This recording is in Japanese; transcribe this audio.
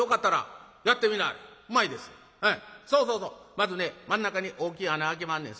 まずね真ん中に大きい穴あけまんねん。